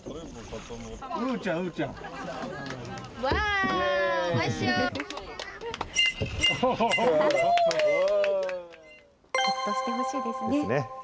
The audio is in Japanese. ほっとしてほしいですね。